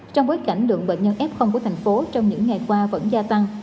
trong bối cảnh lượng bệnh nhân f của thành phố trong những ngày qua vẫn gia tăng